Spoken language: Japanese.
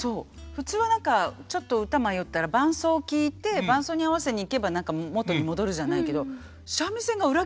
普通は何かちょっと歌迷ったら伴奏を聴いて伴奏に合わせにいけば何か元に戻るじゃないけど。